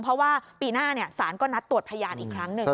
เพราะว่าปีหน้าศาลก็นัดตรวจพยานอีกครั้งหนึ่ง